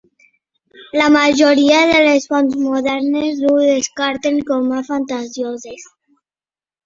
La majoria de les fonts modernes ho descarten com a fantasioses.